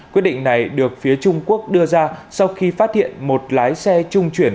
quyết định này được phía trung quốc đưa ra sau khi phát hiện một lái xe trung chuyển